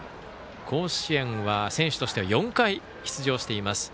甲子園は選手としては４回、出場しています。